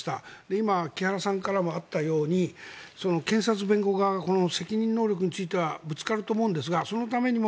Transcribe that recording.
今、木原さんからもあったように検察、弁護側が責任能力についてはぶつかると思うんですがそのためにも